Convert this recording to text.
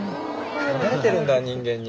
なれてるんだ人間に。